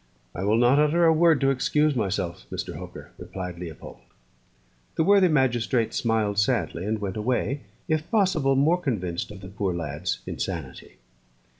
"I will not utter a word to excuse myself, Mr. Hooker," replied Leopold. The worthy magistrate smiled sadly, and went away, if possible, more convinced of the poor lad's insanity.